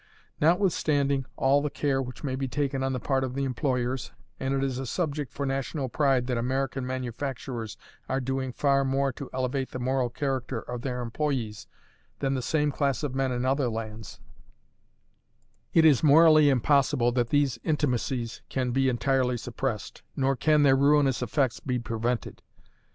Notwithstanding all the care which may be taken on the part of employers and it is a subject for national pride that American manufacturers are doing far more to elevate the moral character of their employés than the same class of men in other lands it is morally impossible that these intimacies can be entirely suppressed, nor can their ruinous effects be prevented.